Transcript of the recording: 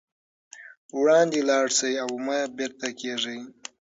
وړاندې لاړ شئ او مه بېرته کېږئ.